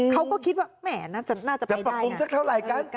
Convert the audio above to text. เขาก็คิดว่าแหมน่าจะปรับปรุงสักเท่าไหร่กัน